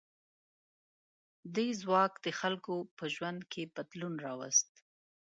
دا ځواک د خلکو په ژوند کې بدلون راوست.